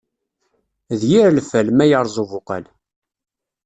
D yir lfal, ma yerreẓ ubuqal.